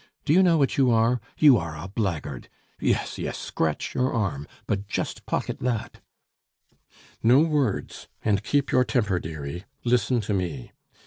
Do you know what you are? You are a blackguard! Yes! yes! scratch your arm; but just pocket that " "No words, and keep your temper, dearie. Listen to me.